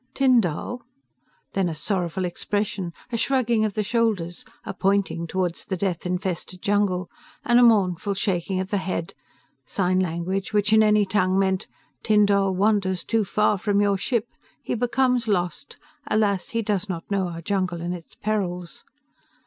"Tyn Dall?" Then, a sorrowful expression, a shrugging of the shoulders, a pointing toward the death infested jungle, and a mournful shaking of the head, sign language which in any tongue meant, "Tyn Dall wanders too far from your ship. He becomes lost. Alas, he does not know our jungle and its perils."